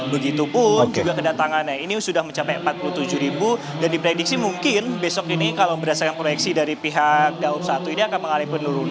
begitupun juga kedatangannya ini sudah mencapai empat puluh tujuh ribu dan diprediksi mungkin besok ini kalau berdasarkan proyeksi dari pihak daob satu ini akan mengalami penurunan